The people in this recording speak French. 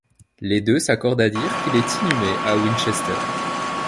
Les deux s'accordent à dire qu'il est inhumé à Winchester.